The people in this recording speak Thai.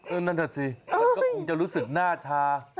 เออนั่นสิจะรู้สึกหน้าทา